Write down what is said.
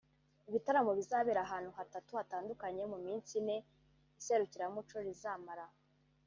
Ibitaramo bizabera ahantu hatatu hatandukanye mu minsi ine iserukiramuco rizamara